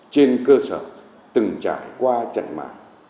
trên cơ sở từng trải qua trận mạng